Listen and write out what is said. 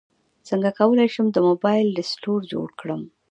څنګه کولی شم د موبایل رسټور جوړ کړم